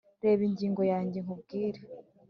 reba ingingo ya nge nkubwire